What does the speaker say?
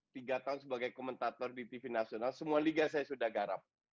tiga tahun sebagai komentator di tv nasional semua liga saya sudah garap